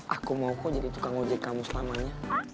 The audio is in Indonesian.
aku mau kok jadi tukang ojek kamu selamanya